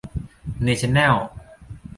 เนชั่นแนล